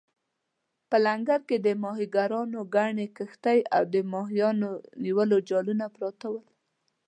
په لنګر کې د ماهیګیرانو ګڼې کښتۍ او د ماهیانو نیولو جالونه پراته ول.